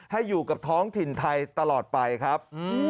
ให้กับท้องถิ่นไทยตลอดไปครับ